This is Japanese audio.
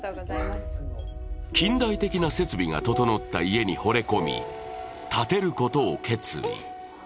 近代的な設備が整った家にほれ込み、建てることを決意。